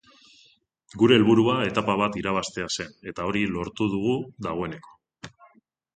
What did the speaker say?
Gure helburua etapa bat irabaztea zen eta hori lortu dugu dagoeneko.